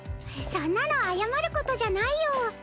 そんなの謝ることじゃないよ。